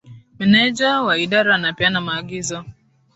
Meneja wa idara anapeana maagizo